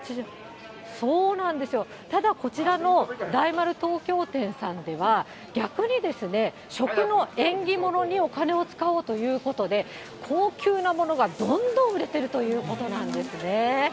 ただ、こちらの大丸東京店さんでは、逆にですね、食の縁起物にお金を使おうということで、高級なものがどんどん売れてるということなんですね。